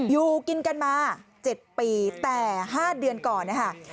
อยู่กินกันมา๗ปีแต่๕เดือนก่อนนะคะ